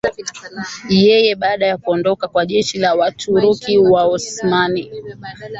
Yeye baada ya kuondoka kwa jeshi la Waturuki Waosmani